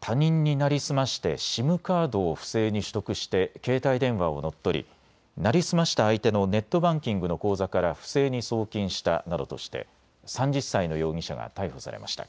他人に成り済ましてＳＩＭカードを不正に取得して携帯電話を乗っ取り成り済ました相手のネットバンキングの口座から不正に送金したなどとして３０歳の容疑者が逮捕されました。